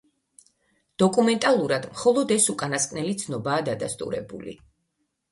დოკუმენტალურად მხოლოდ ეს უკანასკნელი ცნობაა დადასტურებული.